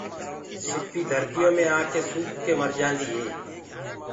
سيٚپ ڌرتيو مي آڪي سوُڪ ڪي مرجآندآ هي۔